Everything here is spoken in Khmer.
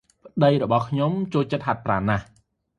ប្តីរបស់ខ្ញុំ ចូលចិត្តហាត់ប្រាណណាស់ ។